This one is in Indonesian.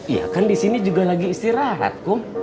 iya kan di sini juga lagi istirahat kok